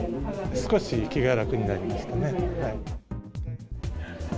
少し気が楽になりましたね。